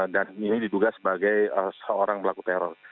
dan ini diduga sebagai seorang berlaku teror